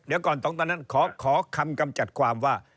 เดี๋ยวก่อนตอนนั้นขอคำกำจัดความว่า